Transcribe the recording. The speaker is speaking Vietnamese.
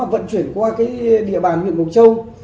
vận chuyển qua địa bàn huyện mộc châu